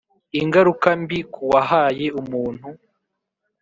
ingaruka mbi kuwahaye umuntu